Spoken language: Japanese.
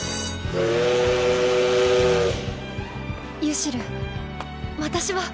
ユシル私は。